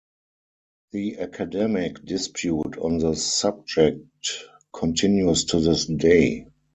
The academic dispute on the subject continues to this day.